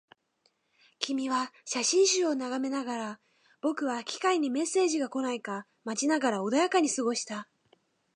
君は写真集を眺めながら、僕は機械にメッセージが来ないか待ちながら穏やかに過ごした